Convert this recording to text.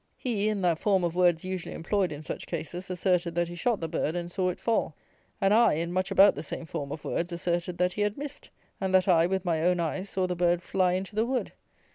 He, in that form of words usually employed in such cases, asserted that he shot the bird and saw it fall; and I, in much about the same form of words, asserted, that he had missed, and that I, with my own eyes, saw the bird fly into the wood.